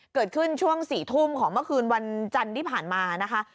เกิดขึ้นช่วง๔ทุ่มของเมื่อคืนวันจันทร์ที่ผ่านมานะคะ